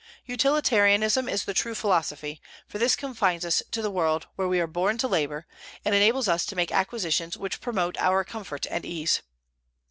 Utilitarianism is the true philosophy, for this confines us to the world where we are born to labor, and enables us to make acquisitions which promote our comfort and ease.